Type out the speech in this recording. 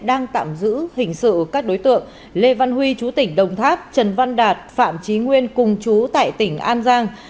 đang tạm giữ hình sự các đối tượng lê văn huy chú tỉnh đồng tháp trần văn đạt phạm trí nguyên cùng chú tại tỉnh an giang